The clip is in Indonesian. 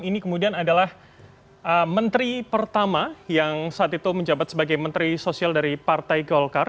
ini kemudian adalah menteri pertama yang saat itu menjabat sebagai menteri sosial dari partai golkar